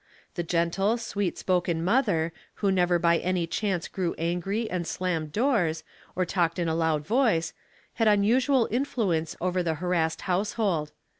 The gentle, sweet spoken mother, who never by any chance grew angry and slammed doors, or talked in a loud voice, had unusual influence over the harassed household.